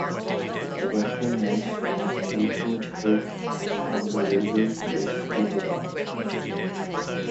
The western edge was Freestone Street and the railway just to the west.